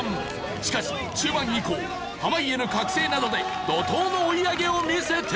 しかし中盤以降濱家の覚醒などで怒濤の追い上げを見せている。